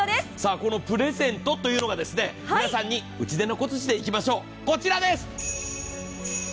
このプレゼントというのが、皆さんに打ち出の小槌でいきましょう、こちらです。